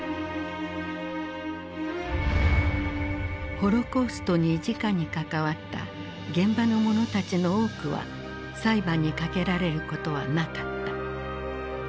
ホロコーストにじかに関わった現場の者たちの多くは裁判にかけられることはなかった。